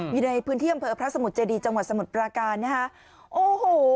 อยู่ในพื้นที่อำเภอพระสมุทรเจดีจังหวัดสมุทรปราการนะฮะโอ้โห